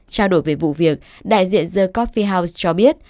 trao đổi về vụ việc đại diện the coffee house cho biết